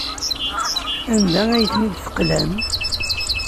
Anda ay tent-id-teqlam?